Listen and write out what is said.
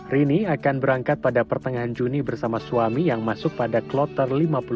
rini akan berangkat pada pertengahan juni bersama suami yang masuk pada kloter lima puluh satu